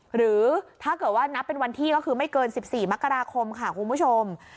หรือถ้าเกิดว่านับเป็นวันที่ก็คือไม่เกิน๑๔มกราคมค่ะคุณผู้ชม